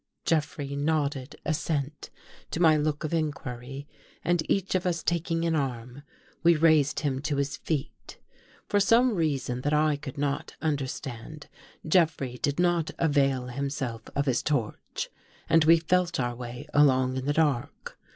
Jeffrey nodded assent to my look of inquiry and each of us taking an arm, we raised him to his feet. For some reason that I could not understand, Jeffrey did not avail himself of his torch, and we felt our way along in the dark.